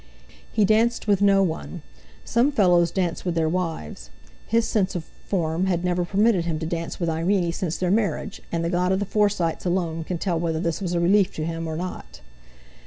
He danced with no one. Some fellows danced with their wives; his sense of "form" had never permitted him to dance with Irene since their marriage, and the God of the Forsytes alone can tell whether this was a relief to him or not.